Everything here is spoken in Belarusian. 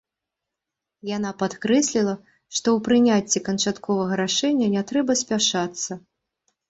Яна падкрэсліла, што ў прыняцці канчатковага рашэння не трэба спяшацца.